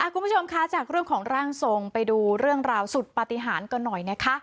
คุณผู้ชมคะจากเรื่องของร่างทรงไปดูเรื่องราวสุดปฏิหารกันหน่อยนะคะ